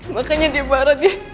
makanya dia marah dia